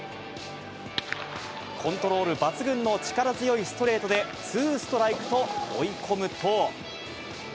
コントロール抜群の力強いストレートでツーストライクと追い込むと。